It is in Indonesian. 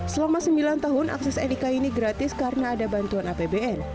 selama sembilan tahun akses nik ini gratis karena ada bantuan apbn